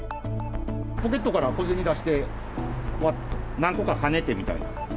ポケットから小銭出して、わっと、何個かはねてみたいな。